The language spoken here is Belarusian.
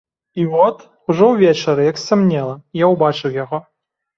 І от, ужо ўвечары, як сцямнела, я ўбачыў яго.